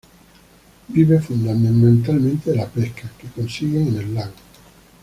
Viven fundamentalmente de la pesca que consiguen en el lago.